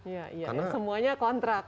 iya iya semuanya kontrak